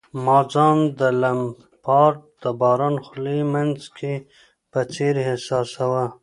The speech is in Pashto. ما ځان د لمپارډ د باران خوړلي مځکې په څېر احساساوه.